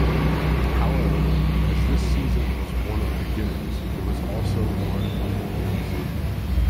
However, as this season was one of beginnings, it was also one of endings.